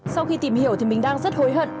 sau khi tìm hiểu thì mình đang rất hối hận